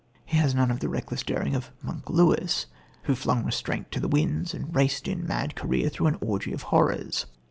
He has none of the reckless daring of "Monk" Lewis, who flung restraint to the winds and raced in mad career through an orgy of horrors.